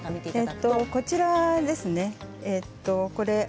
こちらですね。